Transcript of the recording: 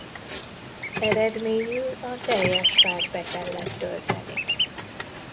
Eredményül a teljes fát be kellett tölteni.